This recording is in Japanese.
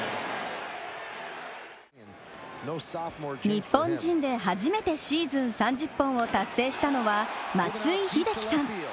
日本人で初めてシーズン３０本を達成したのは松井秀喜さん。